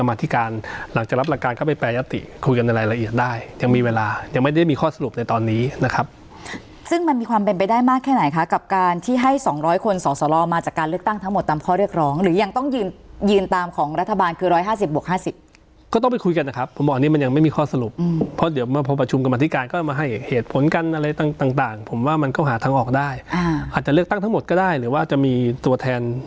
มาจากการเลือกตั้งทั้งหมดตามข้อเรียกร้องหรือยังต้องยืนยืนตามของรัฐบาลคือร้อยห้าสิบบวกห้าสิบก็ต้องไปคุยกันนะครับผมบอกอันนี้มันยังไม่มีข้อสรุปอืมเพราะเดี๋ยวพอประชุมกับมาธิการก็จะมาให้เหตุผลกันอะไรต่างต่างต่างผมว่ามันก็หาทางออกได้อ่าอาจจะเลือกตั้งทั้งหมดก็ได้หรือว่าจะมีตัวแท